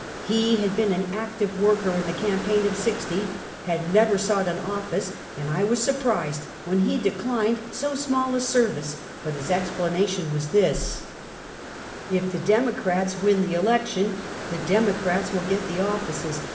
He had been an active worker in the campaign of '60, had never sought an office, and I was surprised wiien he declined so small a service, but his explanation was this: " If the Democrats win the election, the Democrats will get the offices.